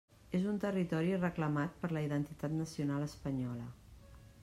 És un territori «reclamat» per la identitat nacional espanyola.